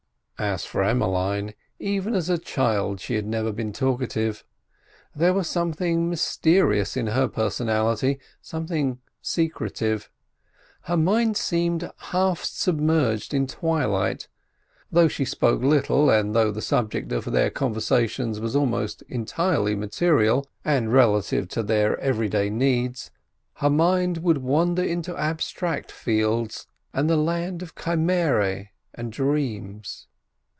As for Emmeline, even as a child she had never been talkative. There was something mysterious in her personality, something secretive. Her mind seemed half submerged in twilight. Though she spoke little, and though the subject of their conversations was almost entirely material and relative to their everyday needs, her mind would wander into abstract fields and the land of chimerae and dreams.